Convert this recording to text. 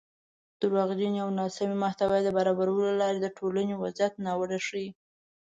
دروغجنې او ناسمې محتوا د برابرولو له لارې د ټولنۍ وضعیت ناوړه وښيي